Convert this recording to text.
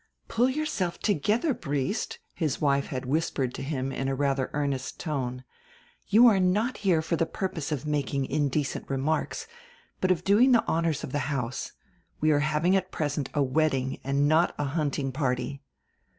"Pull yourself together, Briest," his wife had whispered to him in a rather earnest tone; "you are not here for the purpose of making indecent remarks, but of doing the honors of the house. We are having at present a wedding and not a hunting party."